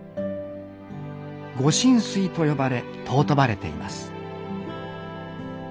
「御神水」と呼ばれ尊ばれています